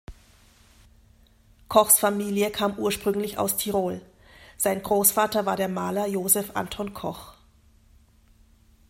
Kochs Familie kam ursprünglich aus Tirol, sein Großvater war der Maler Joseph Anton Koch.